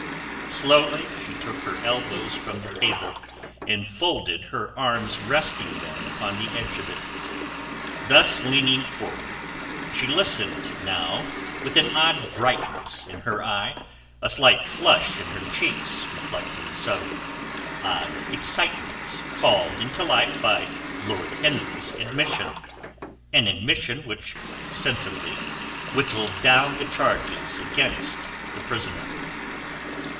Slowly she took her elbows from the table, and folded her arms resting them upon the edge of it. Thus leaning forward she listened now with an odd brightness in her eye, a slight flush in her cheeks reflecting some odd excitement called into life by Lord Henry's admission—an admission which sensibly whittled down the charges against the prisoner.